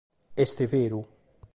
Est beru.